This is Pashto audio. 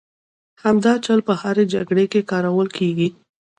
همدا چل په هرې جګړې کې کارول کېږي.